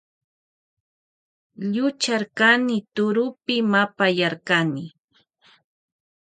Llucharkani turupi mapayarkani.